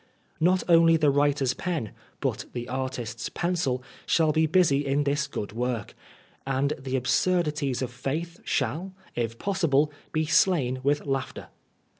Not only the wiiter^s pen, but the artist's pencil, shaU be busy uk this good work ; and the absurdities of faith shall, if possible, be stain with laughter.